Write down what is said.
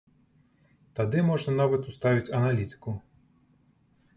Тады можна нават уставіць аналітыку.